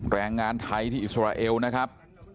แรงงานไทยที่อิสราเอลนะครับ